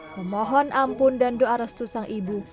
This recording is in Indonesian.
memohon ampun dan doa restu sang ibu